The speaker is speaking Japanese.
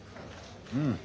うん。